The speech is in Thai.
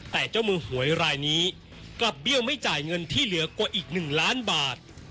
แต่เจ้ามือหวยรายนี้กลับเบี้ยวไม่จ่ายเงินที่เหลือกว่าอีก๑ล้านบาท